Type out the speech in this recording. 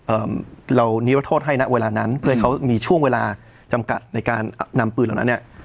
เอ่อเรานิรโทษให้นะเวลานั้นเพื่อให้เขามีช่วงเวลาจำกัดในการนำปืนเหล่านั้นเนี้ย